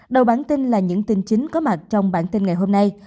đầu bản tin là những tin chính có mặt trong bản tin ngày hôm nay